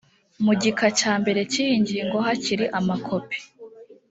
mu gika cya mbere cy’iyi ngingo hakiri amakopi